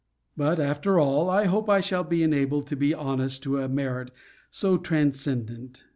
But, after all, I hope I shall be enabled to be honest to a merit so transcendent.